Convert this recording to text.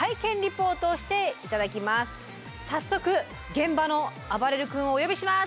早速現場のあばれる君をお呼びします。